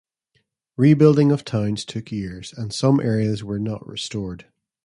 Rebuilding of towns took years, and some areas were not restored.